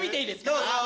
どうぞ。